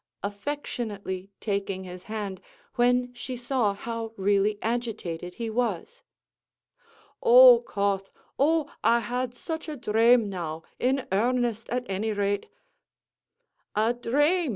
affectionately taking his hand, when she saw how really agitated he was. "O Cauth, oh, I had such a dhrame, now, in earnest, at any rate!" "A dhrame!"